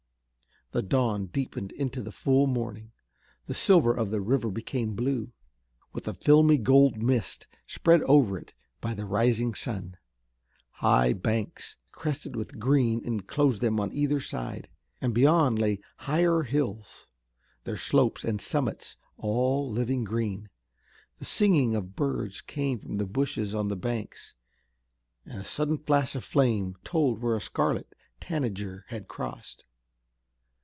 The dawn deepened into the full morning. The silver of the river became blue, with a filmy gold mist spread over it by the rising sun. High banks crested with green enclosed them on either side, and beyond lay higher hills, their slopes and summits all living green. The singing of birds came from the bushes on the banks, and a sudden flash of flame told where a scarlet tanager had crossed.